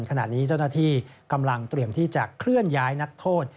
ขณะนี้เจ้าหน้าที่กำลังเตรียมที่จะเคลื่อนย้ายนักโทษ